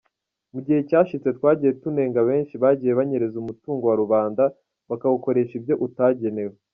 Mu gihe cyashize twagiye tunenga benshi bagiye banyereza umutungo wa rubanda bakawukoresha ibyo utagenewe.